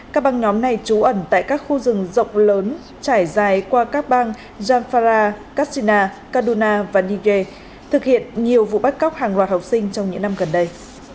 các băng nhóm này trú ẩn tại các khu rừng rộng lớn trải dài qua các bang jamfara kassina kaduna và niger thực hiện nhiều vụ bắt cóc hàng loạt học sinh trong những năm gần đây